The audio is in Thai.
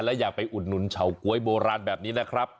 และอย่าไปอุดหนุนเฉาก๊วยโบราณแบบนี้นะครับ